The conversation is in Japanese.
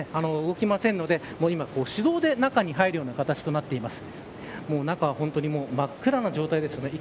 自動ドア、当然動かないので今、手動で中に入るような形となっています。